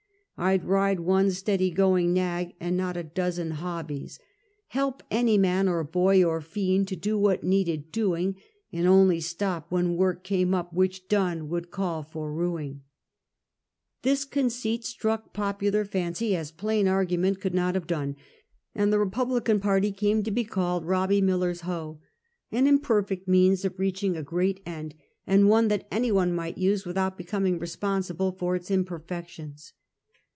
I'd ride one steady going nag, and not a dozen State and J^ational Politics. 201 hobbies; help any man or boy, or fiend to do what needed doing, and only stop when work came up which done would call for rueing. This conceit struck popular fancy as plain argument could not have done, and the Republican party came to be called " Robbie Miller's Hoe "— an imperfect means of reaching a great end, and one that any one might use without becoming responsible for its im perfections.